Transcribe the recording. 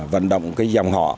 vận động cái dòng họ